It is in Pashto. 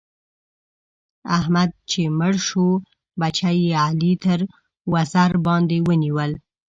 احمد چې مړ شو؛ بچي يې علي تر وزر باندې ونيول.